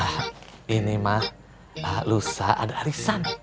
ah ini mah lusa ada arisan